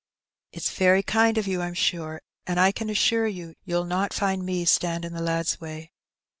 *^ It's very kind of you, I'm sure, and I can assure you you'll not find me stand in the lad's way.